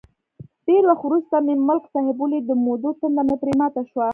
ډېر وخت ورسته مې ملک صاحب ولید، د مودو تنده مې پرې ماته شوه.